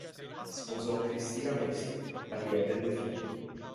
Sposò Christina Macy da cui ebbe due figli.